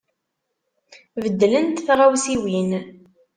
Beddlent tɣawsiwin.